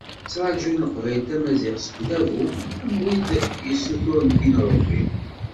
Ttrajun Leqbayel tamaziɣt seg Udabu am wid yessuturen tin n Rebbi.